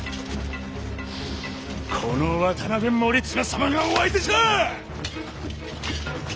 この渡辺守綱様がお相手じゃ！